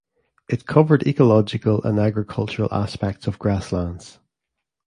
It covered ecological and agricultural aspects of grasslands.